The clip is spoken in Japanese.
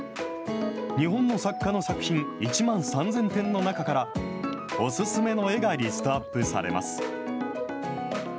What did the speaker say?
日本の作家の作品１万３０００点の中からお勧めの絵がリストアップされます。